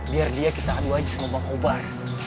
biar dia kita adu aja sama bangkobar